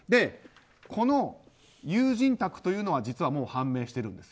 この友人宅というのは実はもう判明しているんです。